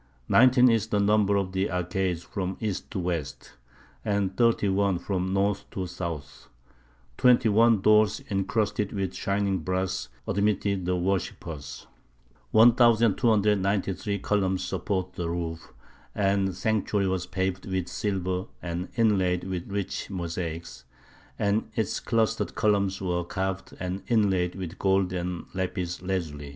Nineteen is the number of the arcades from east to west, and thirty one from north to south; twenty one doors encrusted with shining brass admitted the worshippers; 1,293 columns support the roof, and the sanctuary was paved with silver and inlaid with rich mosaics, and its clustered columns were carved and inlaid with gold and lapis lazuli.